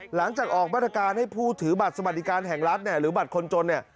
หลังจากออกบรรดาการให้ผู้ถือบัตรสมัติการแห่งรัฐหรือบัตรคนจน